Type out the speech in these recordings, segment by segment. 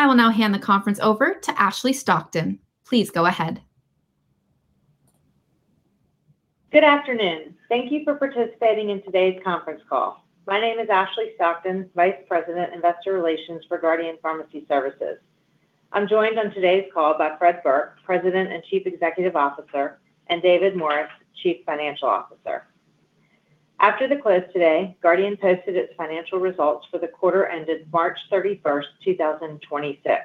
I will now hand the conference over to Ashley Stockton. Please go ahead. Good afternoon. Thank you for participating in today's conference call. My name is Ashley Stockton, Vice President, Investor Relations for Guardian Pharmacy Services. I'm joined on today's call by Fred Burke, President and Chief Executive Officer, and David Morris, Chief Financial Officer. After the close today, Guardian posted its financial results for the quarter ended March 31st, 2026.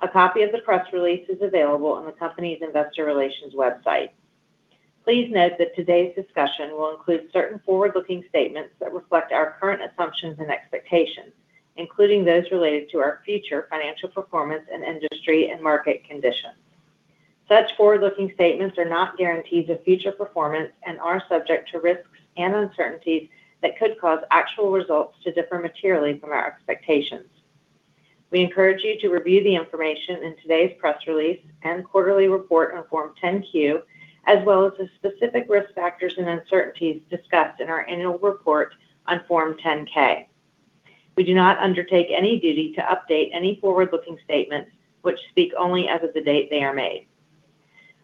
A copy of the press release is available on the company's investor relations website. Please note that today's discussion will include certain forward-looking statements that reflect our current assumptions and expectations, including those related to our future financial performance and industry, and market conditions. Such forward-looking statements are not guarantees of future performance and are subject to risks and uncertainties that could cause actual results to differ materially from our expectations. We encourage you to review the information in today's press release and quarterly report on Form 10-Q, as well as the specific risk factors and uncertainties discussed in our annual report on Form 10-K. We do not undertake any duty to update any forward-looking statements, which speak only as of the date they are made.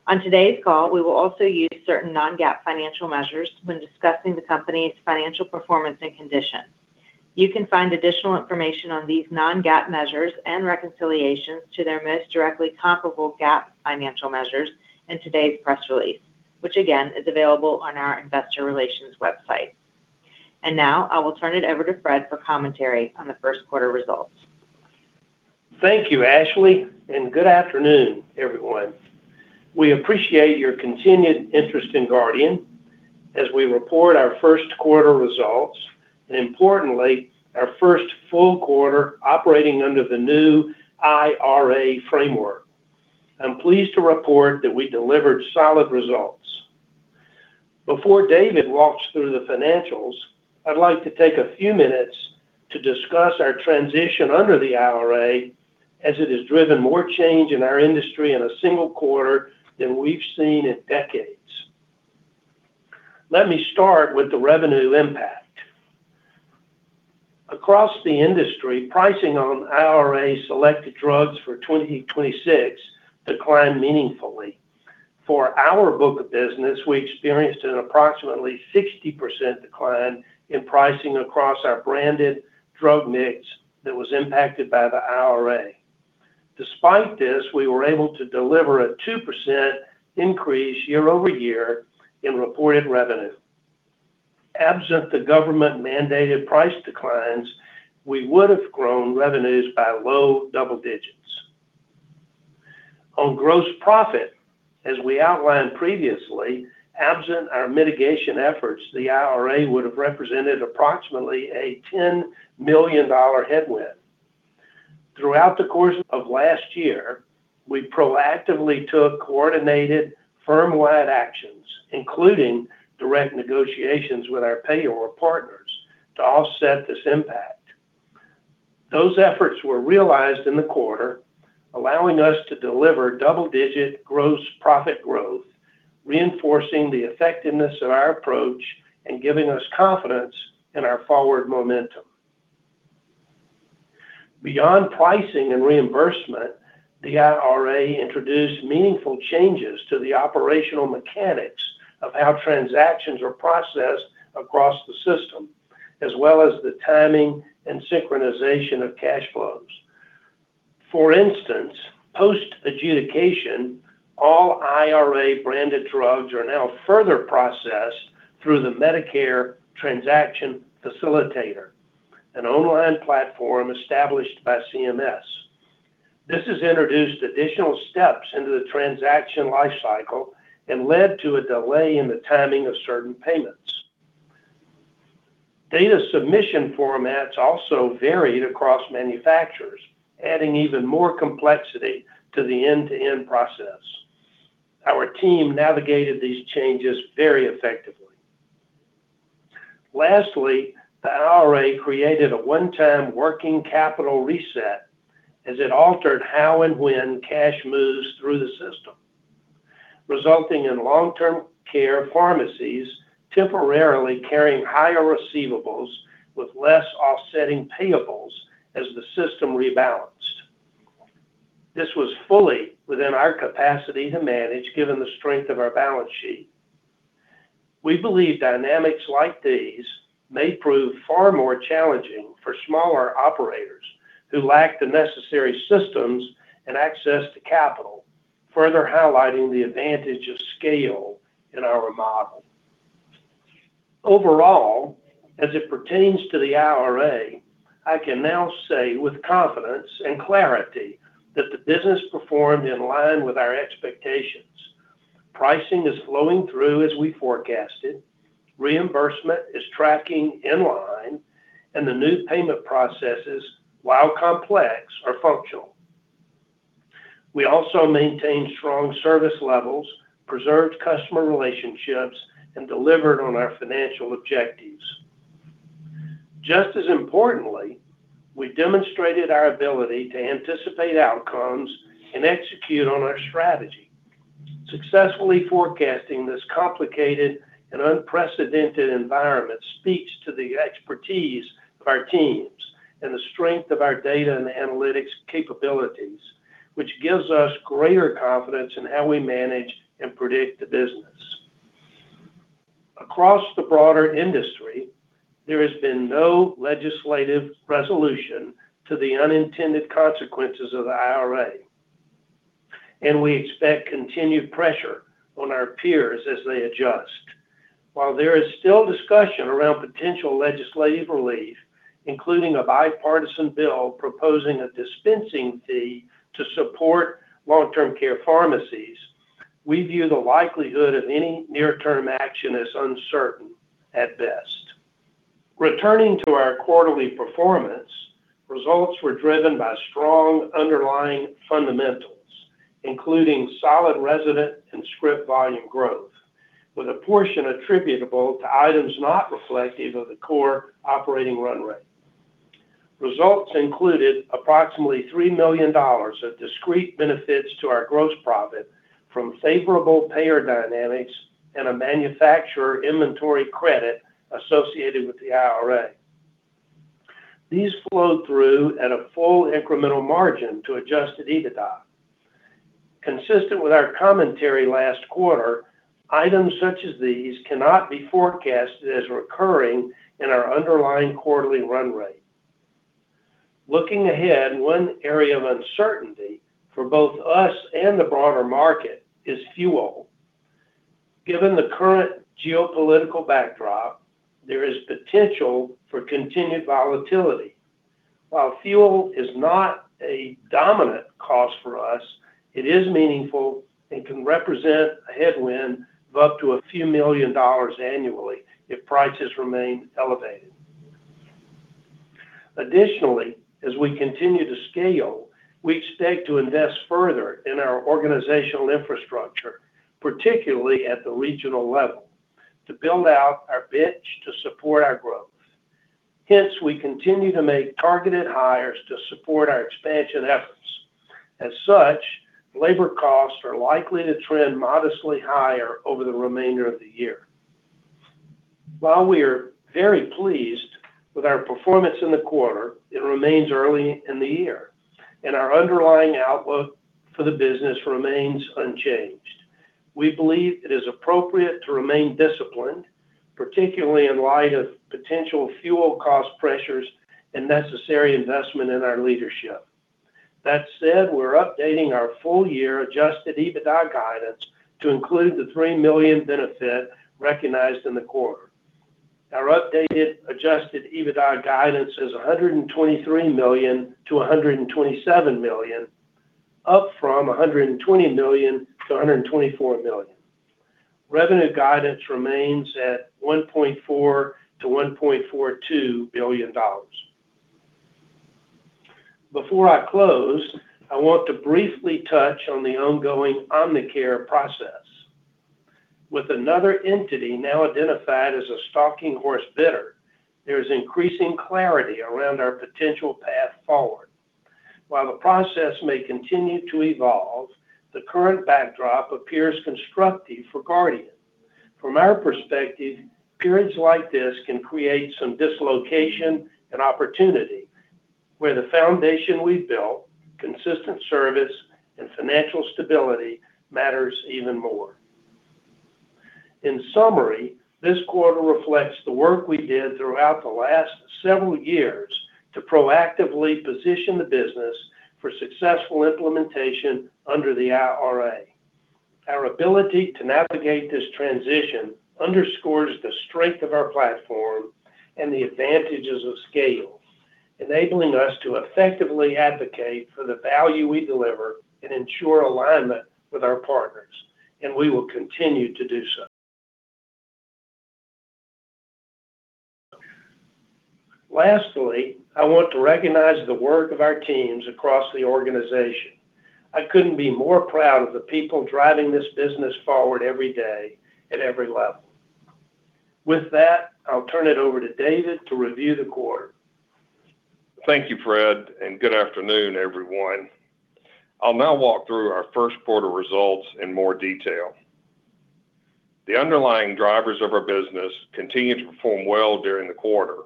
On today's call, we will also use certain non-GAAP financial measures when discussing the company's financial performance and condition. You can find additional information on these non-GAAP measures and reconciliations to their most directly comparable GAAP financial measures in today's press release, which again is available on our investor relations website. Now, I will turn it over to Fred for commentary on the first quarter results. Thank you, Ashley. Good afternoon, everyone. We appreciate your continued interest in Guardian as we report our first quarter results. Importantly, our first full quarter operating under the new IRA framework. I'm pleased to report that we delivered solid results. Before David walks through the financials, I'd like to take a few minutes to discuss our transition under the IRA as it has driven more change in our industry in a single quarter than we've seen in decades. Let me start with the revenue impact. Across the industry, pricing on IRA selected drugs for 2026 declined meaningfully. For our book of business, we experienced an approximately 60% decline in pricing across our branded drug mix that was impacted by the IRA. Despite this, we were able to deliver a 2% increase year-over-year in reported revenue. Absent the government-mandated price declines, we would have grown revenues by low double digits. On gross profit, as we outlined previously, absent our mitigation efforts, the IRA would have represented approximately a $10 million headwind. Throughout the course of last year, we proactively took coordinated firm-wide actions, including direct negotiations with our payer partners to offset this impact. Those efforts were realized in the quarter, allowing us to deliver double-digit gross profit growth, reinforcing the effectiveness of our approach and giving us confidence in our forward momentum. Beyond pricing and reimbursement, the IRA introduced meaningful changes to the operational mechanics of how transactions are processed across the system, as well as the timing and synchronization of cash flows. For instance, post adjudication, all IRA branded drugs are now further processed through the Medicare Transaction Facilitator, an online platform established by CMS. This has introduced additional steps into the transaction life cycle and led to a delay in the timing of certain payments. Data submission formats also varied across manufacturers, adding even more complexity to the end-to-end process. Our team navigated these changes very effectively. Lastly, the IRA created a one-time working capital reset as it altered how and when cash moves through the system, resulting in long-term care pharmacies temporarily carrying higher receivables with less offsetting payables as the system rebalanced. This was fully within our capacity to manage, given the strength of our balance sheet. We believe dynamics like these may prove far more challenging for smaller operators who lack the necessary systems and access to capital, further highlighting the advantage of scale in our model. Overall, as it pertains to the IRA, I can now say with confidence and clarity that the business performed in line with our expectations. Pricing is flowing through as we forecasted. Reimbursement is tracking in line, and the new payment processes, while complex, are functional. We also maintained strong service levels, preserved customer relationships, and delivered on our financial objectives. Just as importantly, we demonstrated our ability to anticipate outcomes and execute on our strategy. Successfully forecasting this complicated and unprecedented environment speaks to the expertise of our teams and the strength of our data and analytics capabilities, which gives us greater confidence in how we manage and predict the business. Across the broader industry, there has been no legislative resolution to the unintended consequences of the IRA, and we expect continued pressure on our peers as they adjust. While there is still discussion around potential legislative relief, including a bipartisan bill proposing a dispensing fee to support long-term care pharmacies, we view the likelihood of any near-term action as uncertain at best. Returning to our quarterly performance, results were driven by strong underlying fundamentals, including solid resident and script volume growth, with a portion attributable to items not reflective of the core operating run rate. Results included approximately $3 million of discrete benefits to our gross profit from favorable payer dynamics and a manufacturer inventory credit associated with the IRA. These flowed through at a full incremental margin to adjusted EBITDA. Consistent with our commentary last quarter, items such as these cannot be forecasted as recurring in our underlying quarterly run rate. Looking ahead, one area of uncertainty for both us and the broader market is fuel. Given the current geopolitical backdrop, there is potential for continued volatility. While fuel is not a dominant cost for us, it is meaningful and can represent a headwind of up to a few million dollars annually if prices remain elevated. Additionally, as we continue to scale, we expect to invest further in our organizational infrastructure, particularly at the regional level, to build out our bench to support our growth. Hence, we continue to make targeted hires to support our expansion efforts. As such, labor costs are likely to trend modestly higher over the remainder of the year. While we are very pleased with our performance in the quarter, it remains early in the year, and our underlying outlook for the business remains unchanged. We believe it is appropriate to remain disciplined, particularly in light of potential fuel cost pressures and necessary investment in our leadership. That said, we're updating our full-year adjusted EBITDA guidance to include the $3 million benefit recognized in the quarter. Our updated adjusted EBITDA guidance is $123 million-$127 million, up from $120 million-$124 million. Revenue guidance remains at $1.4 billion-$1.42 billion. Before I close, I want to briefly touch on the ongoing Omnicare process. With another entity now identified as a stalking horse bidder, there is increasing clarity around our potential path forward. While the process may continue to evolve, the current backdrop appears constructive for Guardian. From our perspective, periods like this can create some dislocation and opportunity, where the foundation we've built, consistent service, and financial stability matters even more. In summary, this quarter reflects the work we did throughout the last several years to proactively position the business for successful implementation under the IRA. Our ability to navigate this transition underscores the strength of our platform and the advantages of scale, enabling us to effectively advocate for the value we deliver and ensure alignment with our partners, and we will continue to do so. Lastly, I want to recognize the work of our teams across the organization. I couldn't be more proud of the people driving this business forward every day at every level. With that, I'll turn it over to David to review the quarter. Thank you, Fred, and good afternoon, everyone. I'll now walk through our first quarter results in more detail. The underlying drivers of our business continued to perform well during the quarter.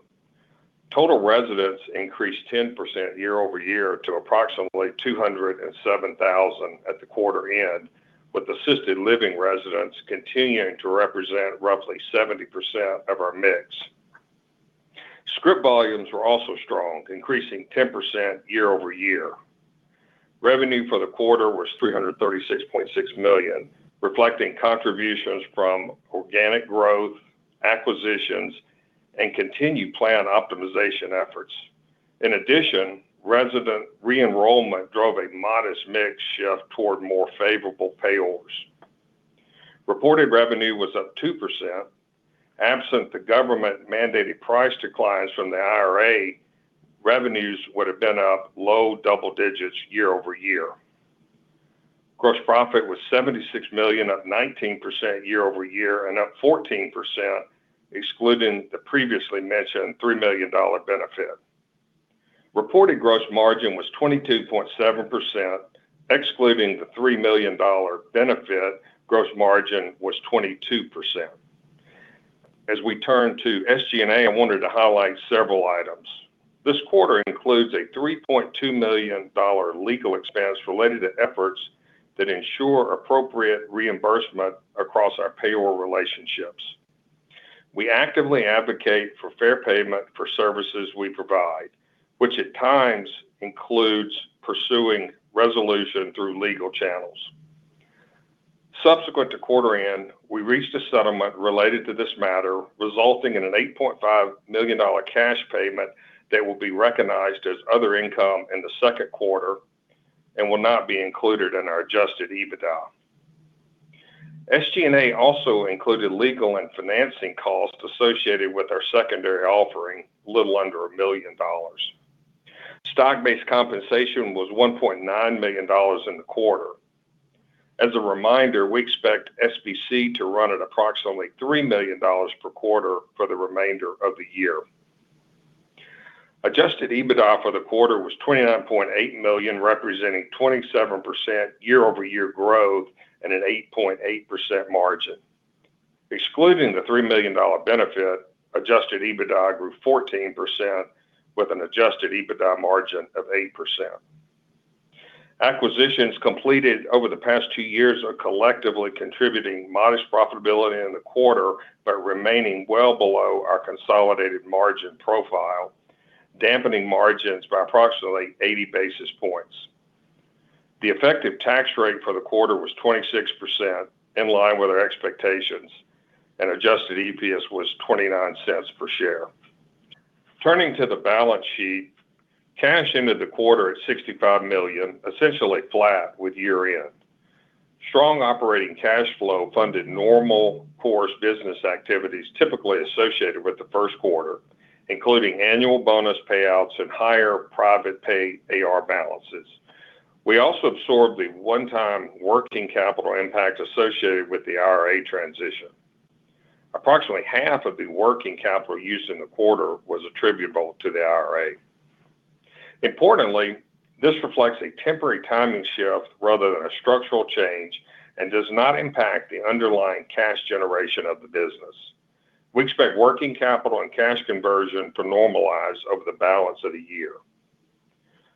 Total residents increased 10% year-over-year to approximately 207,000 at the quarter end, with assisted living residents continuing to represent roughly 70% of our mix. Script volumes were also strong, increasing 10% year-over-year. Revenue for the quarter was $336.6 million, reflecting contributions from organic growth, acquisitions, and continued plan optimization efforts. Resident re-enrollment drove a modest mix shift toward more favorable payors. Reported revenue was up 2%. Absent the government-mandated price declines from the IRA, revenues would have been up low double digits year-over-year. Gross profit was $76 million, up 19% year-over-year and up 14%, excluding the previously mentioned $3 million benefit. Reported gross margin was 22.7%. Excluding the $3 million benefit, gross margin was 22%. As we turn to SG&A, I wanted to highlight several items. This quarter includes a $3.2 million legal expense related to efforts that ensure appropriate reimbursement across our payor relationships. We actively advocate for fair payment for services we provide, which at times includes pursuing resolution through legal channels. Subsequent to quarter end, we reached a settlement related to this matter, resulting in an $8.5 million cash payment that will be recognized as other income in the second quarter and will not be included in our adjusted EBITDA. SG&A also included legal and financing costs associated with our secondary offering, a little under $1 million. Stock-based compensation was $1.9 million in the quarter. As a reminder, we expect SBC to run at approximately $3 million per quarter for the remainder of the year. Adjusted EBITDA for the quarter was $29.8 million, representing 27% year-over-year growth and an 8.8% margin. Excluding the $3 million benefit, adjusted EBITDA grew 14% with an adjusted EBITDA margin of 8%. Acquisitions completed over the past two years are collectively contributing modest profitability in the quarter, but remaining well below our consolidated margin profile, dampening margins by approximately 80 basis points. The effective tax rate for the quarter was 26%, in line with our expectations, and adjusted EPS was $0.29 per share. Turning to the balance sheet, cash ended the quarter at $65 million, essentially flat with year-end. Strong operating cash flow funded normal course business activities typically associated with the first quarter, including annual bonus payouts and higher private pay AR balances. We also absorbed the one-time working capital impact associated with the IRA transition. Approximately half of the working capital used in the quarter was attributable to the IRA. Importantly, this reflects a temporary timing shift rather than a structural change and does not impact the underlying cash generation of the business. We expect working capital and cash conversion to normalize over the balance of the year.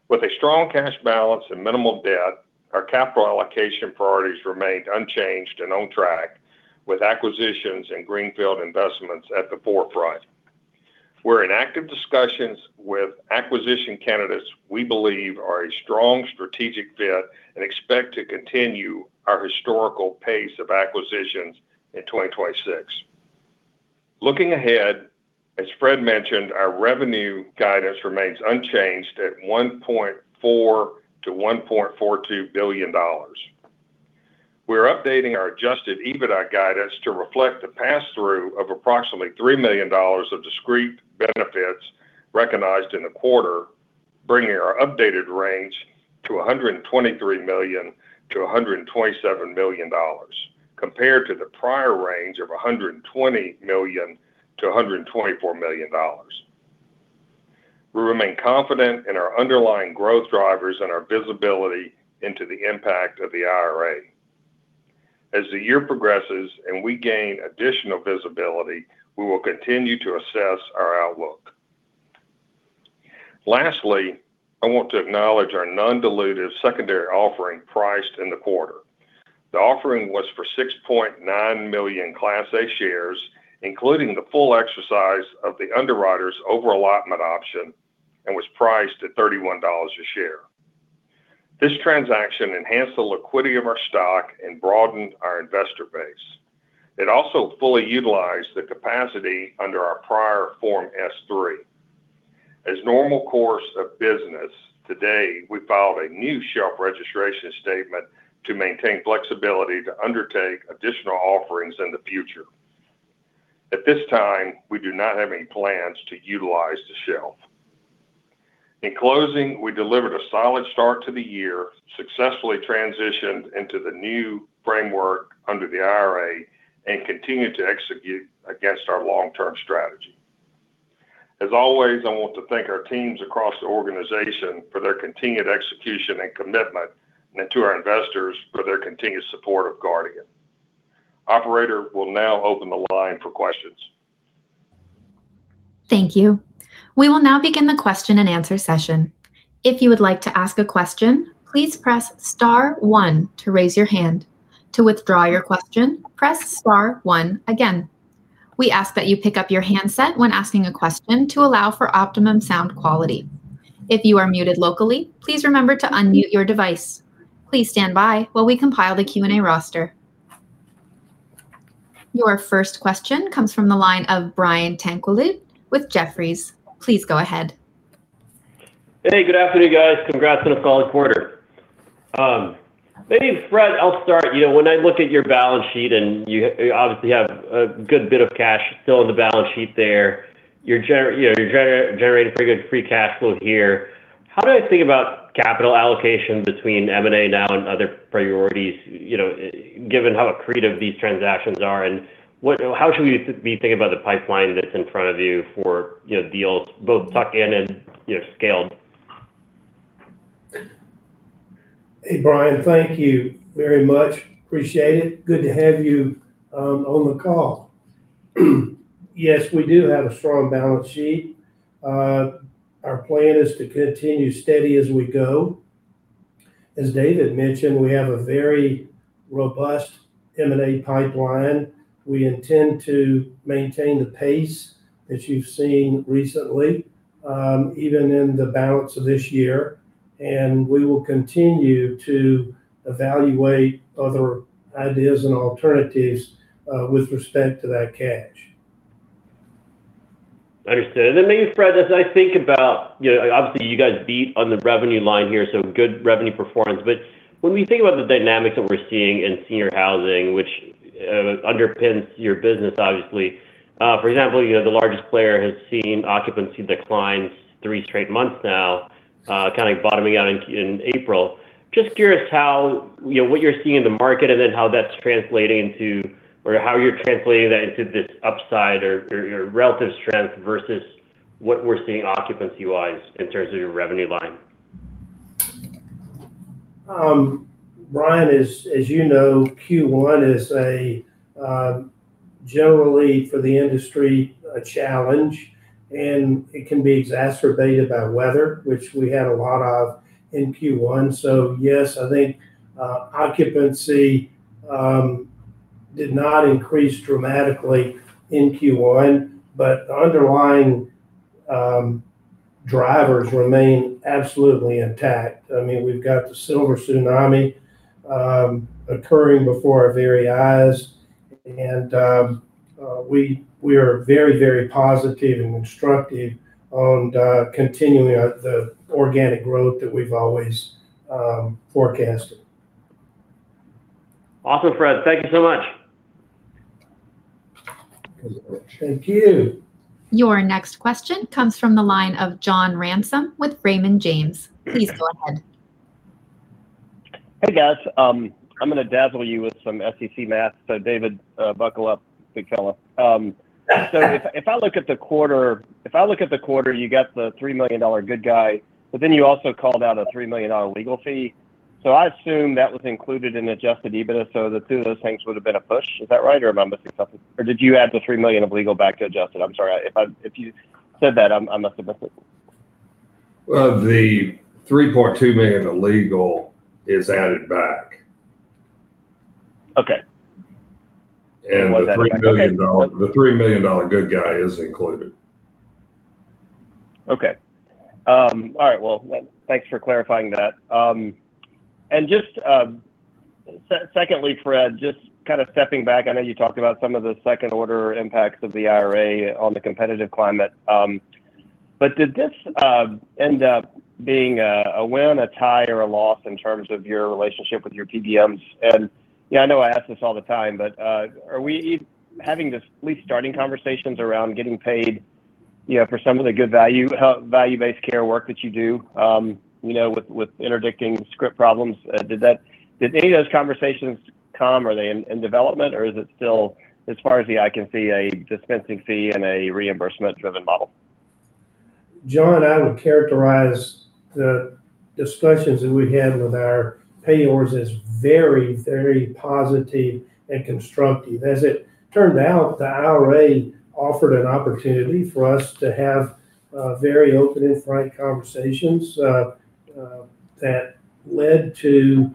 With a strong cash balance and minimal debt, our capital allocation priorities remained unchanged and on track with acquisitions and greenfield investments at the forefront. We're in active discussions with acquisition candidates we believe are a strong strategic fit and expect to continue our historical pace of acquisitions in 2026. Looking ahead, as Fred mentioned, our revenue guidance remains unchanged at $1.4 billion-$1.42 billion. We're updating our adjusted EBITDA guidance to reflect the pass-through of approximately $3 million of discrete benefits recognized in the quarter, bringing our updated range to $123 million-$127 million, compared to the prior range of $120 million-$124 million. We remain confident in our underlying growth drivers and our visibility into the impact of the IRA. As the year progresses and we gain additional visibility, we will continue to assess our outlook. Lastly, I want to acknowledge our non-dilutive secondary offering priced in the quarter. The offering was for 6.9 million Class A shares, including the full exercise of the underwriter's over-allotment option, and was priced at $31 a share. This transaction enhanced the liquidity of our stock and broadened our investor base. It also fully utilized the capacity under our prior Form S-3. As normal course of business today, we filed a new shelf registration statement to maintain flexibility to undertake additional offerings in the future. At this time, we do not have any plans to utilize the shelf. In closing, we delivered a solid start to the year, successfully transitioned into the new framework under the IRA, and continued to execute against our long-term strategy. As always, I want to thank our teams across the organization for their continued execution and commitment, and to our investors for their continued support of Guardian. Operator, we'll now open the line for questions. Thank you. We will now begin the Question-and-Answer session. If you would like to ask a question, please press star one to raise your hand. To withdraw your question, press star one again. We ask that you pick up your handset when asking a question to allow for optimum sound quality. If you are muted locally, please remember to unmute your device. Please stand by while we compile the Q&A roster. Your first question comes from the line of Brian Tanquilut with Jefferies. Please go ahead. Hey, good afternoon, guys. Congrats on a solid quarter. Maybe, Fred, I'll start. You know, when I look at your balance sheet, and you obviously have a good bit of cash still on the balance sheet there. You know, you're generating pretty good free cash flow here. How do I think about capital allocation between M&A now and other priorities, you know, given how accretive these transactions are? How should we be thinking about the pipeline that's in front of you for, you know, deals both tuck-in and, you know, scaled? Hey, Brian, thank you very much. Appreciate it. Good to have you on the call. Yes, we do have a strong balance sheet. Our plan is to continue steady as we go. As David mentioned, we have a very robust M&A pipeline. We intend to maintain the pace that you've seen recently, even in the balance of this year, and we will continue to evaluate other ideas and alternatives with respect to that cash. Understood. Maybe, Fred, as I think about, you know, obviously, you guys beat on the revenue line here, so good revenue performance. When we think about the dynamics that we're seeing in senior housing, which underpins your business, obviously. For example, you know, the largest player has seen occupancy declines three straight months now, kind of bottoming out in April. Curious how, you know, what you're seeing in the market, and then how that's translating into or how you're translating that into this upside or relative strength versus what we're seeing occupancy-wise in terms of your revenue line. Brian, as you know, Q1 is a generally for the industry, a challenge, and it can be exacerbated by weather, which we had a lot of in Q1. Yes, I think occupancy did not increase dramatically in Q1, but underlying drivers remain absolutely intact. I mean, we've got the silver tsunami occurring before our very eyes. We are very, very positive and constructive on continuing the organic growth that we've always forecasted. Awesome, Fred. Thank you so much. Thank you. Your next question comes from the line of John Ransom with Raymond James. Please go ahead. Hey, guys. I'm gonna dazzle you with some SEC math, David, buckle up, big fella. If I look at the quarter, you got the $3 million good guy, but then you also called out a $3 million legal fee. I assume that was included in adjusted EBITDA, the two of those things would have been a push. Is that right, or am I missing something? Did you add the $3 million of legal back to adjusted? I'm sorry. If you said that, I must have missed it. Well, the $3.2 million in legal is added back. Okay. And the $3 million- Okay. The $3 million good guy is included. Okay. All right, well, thanks for clarifying that. Secondly, Fred, just kind of stepping back, I know you talked about some of the second-order impacts of the IRA on the competitive climate, but did this end up being a win, a tie, or a loss in terms of your relationship with your PBMs? Yeah, I know I ask this all the time, but are we having the least starting conversations around getting paid, you know, for some of the good value-based care work that you do, you know, with interdicting script problems? Did any of those conversations come? Are they in development, or is it still, as far as the eye can see, a dispensing fee and a reimbursement-driven model? John, I would characterize the discussions that we had with our payers as very, very positive and constructive. As it turned out, the IRA offered an opportunity for us to have very open and frank conversations that led to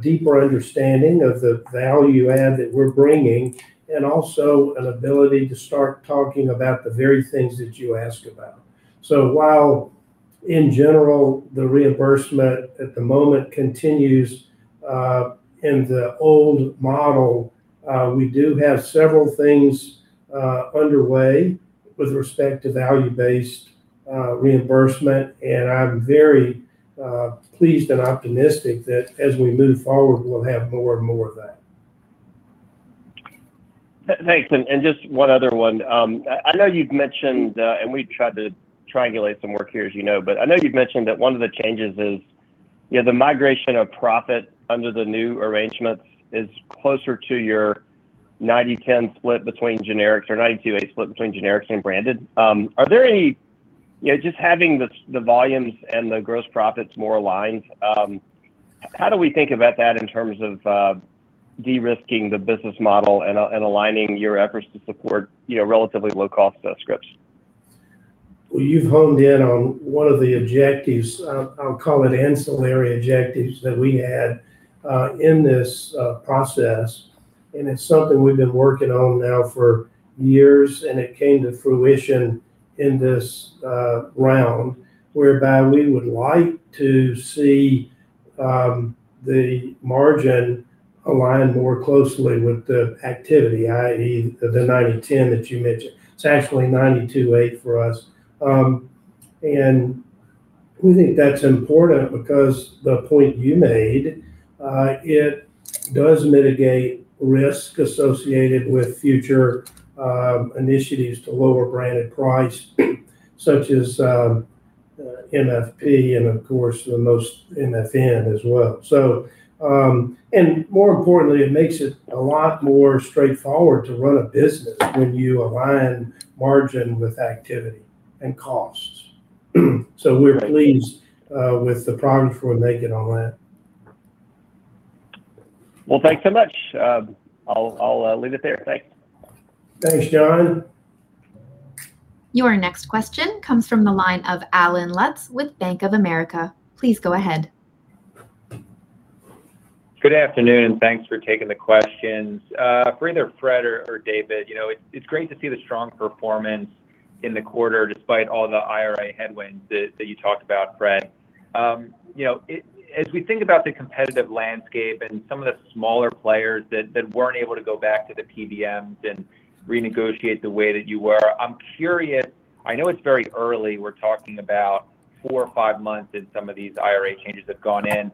deeper understanding of the value add that we're bringing and also an ability to start talking about the very things that you ask about. While in general, the reimbursement at the moment continues in the old model, we do have several things underway with respect to value-based reimbursement. I'm very pleased and optimistic that as we move forward, we'll have more and more of that. Thanks. Just one other one. I know you've mentioned, and we've tried to triangulate some work here, as you know. I know you've mentioned that one of the changes is, you know, the migration of profit under the new arrangements is closer to your 90/10 split between generics or 90/8 split between generics and branded. Are there any, you know, just having the volumes and the gross profits more aligned, how do we think about that in terms of de-risking the business model and aligning your efforts to support, you know, relatively low-cost scripts? Well, you've honed in on one of the objectives, I'll call it ancillary objectives, that we had in this process. It's something we've been working on now for years, and it came to fruition in this round, whereby we would like to see the margin align more closely with the activity, i.e., the 90/10 that you mentioned. It's actually 90/8 for us. We think that's important because the point you made, it does mitigate risk associated with future initiatives to lower branded price, such as MFP and of course the most, MFN as well. More importantly, it makes it a lot more straightforward to run a business when you align margin with activity and costs. Right. We're pleased, with the progress we're making on that. Well, thanks so much. I'll leave it there. Thanks. Thanks, John. Your next question comes from the line of Allen Lutz with Bank of America. Please go ahead. Good afternoon, and thanks for taking the questions. For either Fred or David, you know, it's great to see the strong performance in the quarter despite all the IRA headwinds that you talked about, Fred. You know, as we think about the competitive landscape and some of the smaller players that weren't able to go back to the PBMs and renegotiate the way that you were, I'm curious, I know it's very early, we're talking about four or five months since some of these IRA changes have gone in.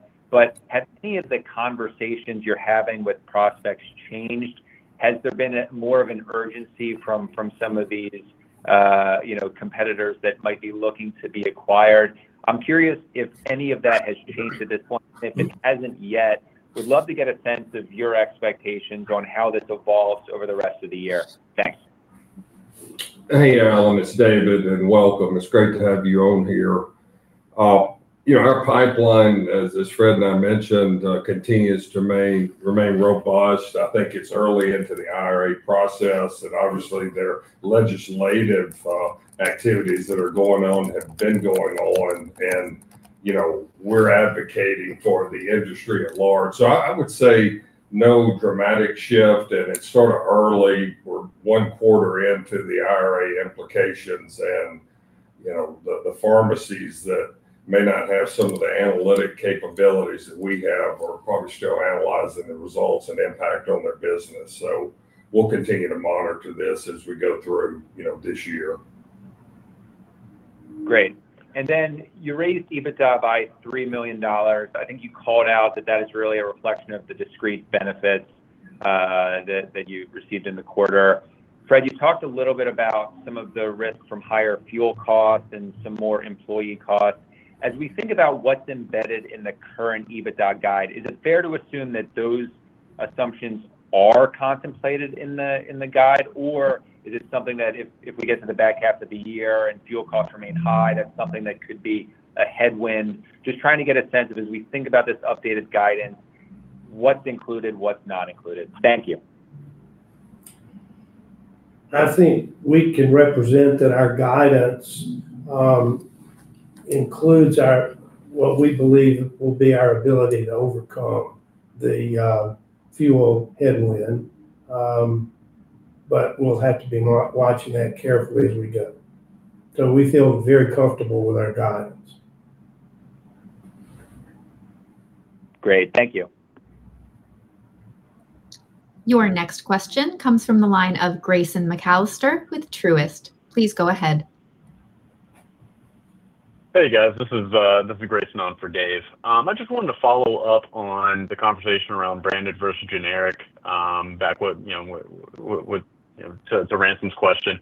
Have any of the conversations you're having with prospects changed? Has there been more of an urgency from some of these, you know, competitors that might be looking to be acquired? I'm curious if any of that has changed at this point. If it hasn't yet, would love to get a sense of your expectations on how this evolves over the rest of the year. Thanks. Hey, Allen, it's David, and welcome. It's great to have you on here. You know, our pipeline, as Fred and I mentioned, continues to remain robust. I think it's early into the IRA process and obviously there are legislative activities that are going on, have been going on and, you know, we're advocating for the industry at large. I would say no dramatic shift, and it's sort of early. We're one quarter into the IRA implications and, you know, the pharmacies that may not have some of the analytic capabilities that we have are probably still analyzing the results and impact on their business. We'll continue to monitor this as we go through, you know, this year. Great. Then you raised EBITDA by $3 million. I think you called out that that is really a reflection of the discrete benefits that you received in the quarter. Fred, you talked a little bit about some of the risks from higher fuel costs and some more employee costs. As we think about what's embedded in the current EBITDA guide, is it fair to assume that those assumptions are contemplated in the guide or is it something that if we get to the back half of the year and fuel costs remain high, that's something that could be a headwind? Just trying to get a sense of as we think about this updated guidance, what's included, what's not included. Thank you. I think we can represent that our guidance includes our, what we believe will be our ability to overcome the fuel headwind. We'll have to be watching that carefully as we go. We feel very comfortable with our guidance. Great. Thank you. Your next question comes from the line of Grayson McAllister with Truist. Please go ahead. Hey, guys, this is Grayson on for Dave. I just wanted to follow up on the conversation around branded versus generic, you know, with, you know, to Ransom's question.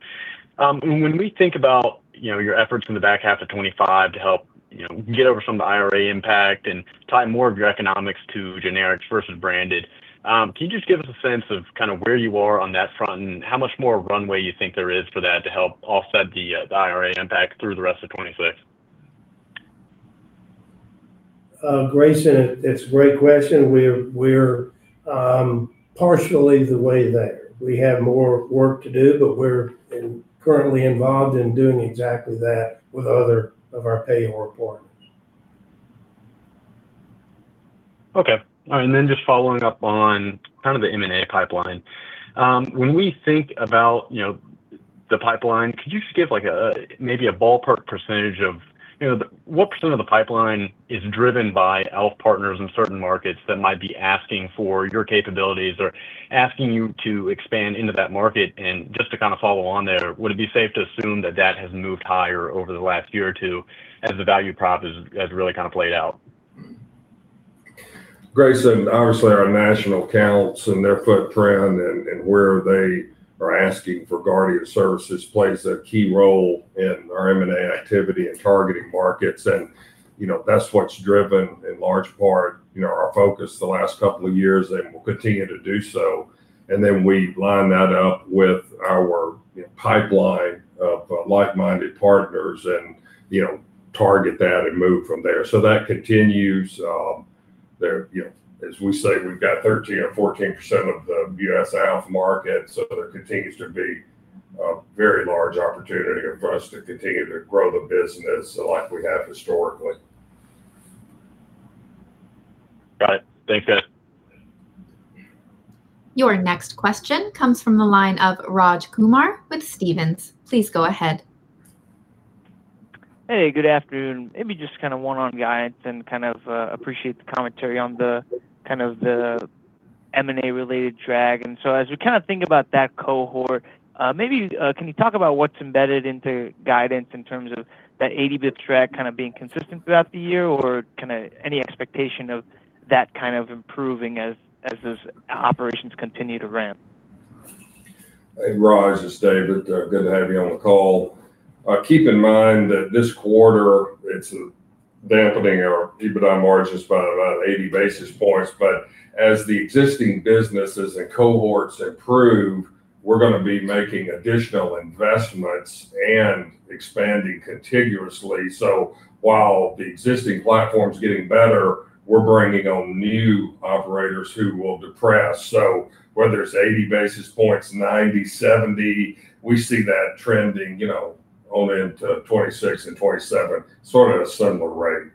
When we think about, you know, your efforts in the back half of 2025 to help, you know, get over some of the IRA impact and tie more of your economics to generics versus branded, can you just give us a sense of kind of where you are on that front and how much more runway you think there is for that to help offset the IRA impact through the rest of 2026? Grayson, it's a great question. We're partially the way there. We have more work to do, but we're currently involved in doing exactly that with other of our payor partners. Okay. All right, then just following up on kind of the M&A pipeline. When we think about, you know, the pipeline, could you just give, like, a, maybe a ballpark percentage of, you know, the, what % of the pipeline is driven by health partners in certain markets that might be asking for your capabilities or asking you to expand into that market? Just to kind of follow on there, would it be safe to assume that that has moved higher over the last year or two as the value prop has really kind of played out? Grayson, obviously our national accounts and their footprint and where they are asking for Guardian services plays a key role in our M&A activity and targeting markets. You know, that's what's driven, in large part, you know, our focus the last couple of years, and will continue to do so. We line that up with our, you know, pipeline of like-minded partners and, you know, target that and move from there. That continues, there, you know, as we say, we've got 13% or 14% of the U.S. health market, so there continues to be a very large opportunity for us to continue to grow the business like we have historically. Got it. Thanks, guys. Your next question comes from the line of Raj Kumar with Stephens. Please go ahead. Hey, good afternoon. Maybe just kind of one on guidance and kind of, appreciate the commentary on the, kind of the M&A related drag. As we kind of think about that cohort, maybe, can you talk about what's embedded into guidance in terms of that EBITDA drag kind of being consistent throughout the year or kinda any expectation of that kind of improving as those operations continue to ramp? Hey, Raj, it's David. Good to have you on the call. Keep in mind that this quarter, it's dampening our EBITDA margins by about 80 basis points. As the existing businesses and cohorts improve, we're gonna be making additional investments and expanding continuously. While the existing platform's getting better, we're bringing on new operators who will depress. Whether it's 80 basis points, 90, 70, we see that trending, you know, on into 2026 and 2027, sort of a similar rate.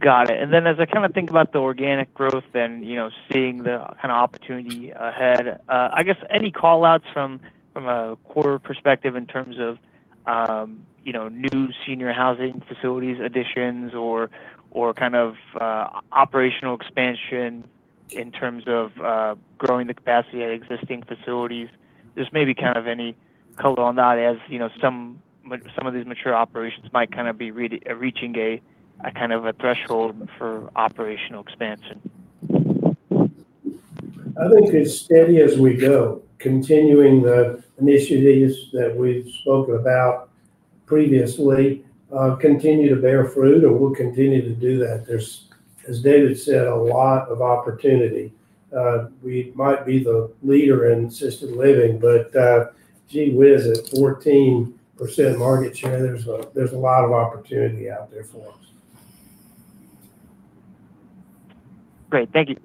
Got it. As I kind of think about the organic growth and, you know, seeing the kind of opportunity ahead, I guess any call-outs from a quarter perspective in terms of, you know, new senior housing facilities additions or kind of, operational expansion in terms of, growing the capacity at existing facilities? Just maybe kind of any color on that as, you know, some of these mature operations might kind of be really, reaching a kind of a threshold for operational expansion. I think it's steady as we go. Continuing the initiatives that we've spoke about previously, continue to bear fruit and we'll continue to do that. There's, as David said, a lot of opportunity. We might be the leader in assisted living but, gee whiz, at 14% market share, there's a lot of opportunity out there for us. Great. Thank you.